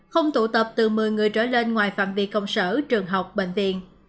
không tụ tập từ một mươi người trở lên ngoài phạm vi công sở trường học bệnh viện